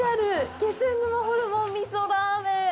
気仙沼ホルモン味噌ラーメン！